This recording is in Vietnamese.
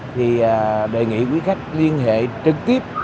thì đề nghị quý khách liên hệ trực tiếp